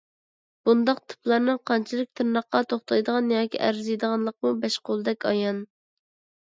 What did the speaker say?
بۇنداق تىپلارنىڭ قانچىلىك تىرناققا توختايدىغان ياكى ئەرزىيدىغانلىقىمۇ بەش قولدەك ئايان.